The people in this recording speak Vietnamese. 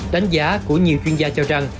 đánh giá của nhiều chuyên gia cho rằng